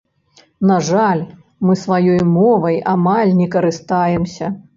На жаль, мы сваёй мовай амаль не карыстаемся.